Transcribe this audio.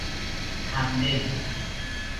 همدل